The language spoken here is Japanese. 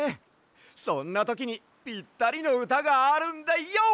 そんなときにぴったりのうたがあるんだＹＯ！